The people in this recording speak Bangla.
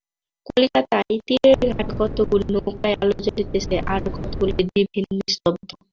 কলিকাতার তীরের ঘাটে কতকগুলি নৌকায় আলো জ্বলিতেছে আর কতকগুলি দীপহীন নিস্তব্ধ।